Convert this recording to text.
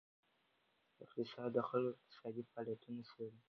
اقتصاد د خلکو اقتصادي فعالیتونه څیړي.